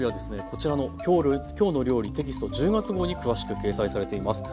こちらの「きょうの料理」テキスト１０月号に詳しく掲載されています。